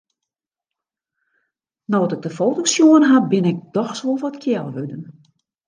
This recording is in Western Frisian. No't ik de foto's sjoen ha, bin ik dochs wol wat kjel wurden.